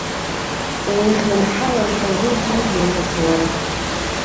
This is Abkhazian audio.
Улыхьнымҳалан ҳәа зуҳәазеи, нас, уара?